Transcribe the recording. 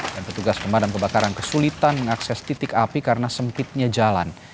dan petugas pemadam kebakaran kesulitan mengakses titik api karena sempitnya jalan